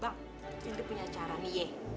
bang ini punya cara nih ye